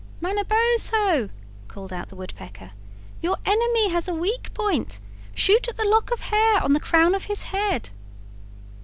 "Manabozho," called out the Woodpecker, "your enemy has a weak point; shoot at the lock of hair on the crown of his head."